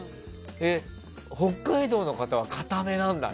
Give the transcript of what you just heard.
北海道の方は固めなんだね。